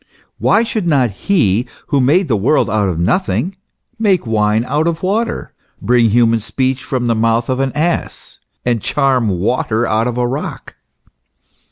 Why should not He who made the world out of nothing, make wine out of water, bring human speech from the mouth of an ass, and charm water out of a rock